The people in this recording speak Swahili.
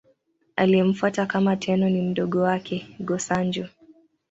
Aliyemfuata kama Tenno ni mdogo wake, Go-Sanjo.